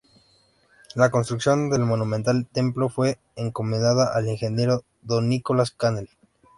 La construcción del monumental templo, fue encomendada al ingeniero don Nicolás Canale.